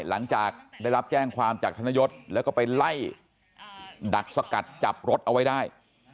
หลังจากได้รับแจ้งความจากธนยศแล้วก็ไปไล่ดักสกัดจับรถเอาไว้ได้